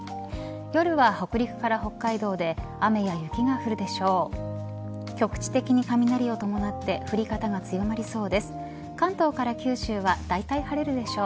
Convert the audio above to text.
夜は北陸から北海道で雨や雪が降るでしょう。